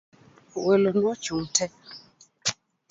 Welo no chung' te.